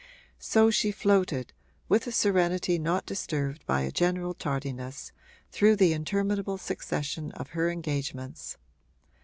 So she floated, with a serenity not disturbed by a general tardiness, through the interminable succession of her engagements.